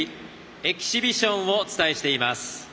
エキシビジョンをお伝えしています。